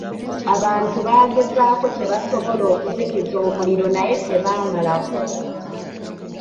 Abantu baagezako kye basobola okuzikiza omuliro naye tebamalako.